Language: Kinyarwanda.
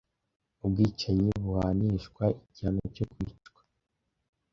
Ubwicanyi buhanishwa igihano cyo kwicwa.